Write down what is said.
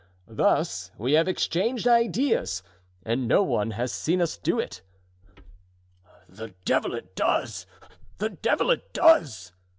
Thus we have exchanged ideas and no one has seen us do it." "The devil it does! The devil it does!"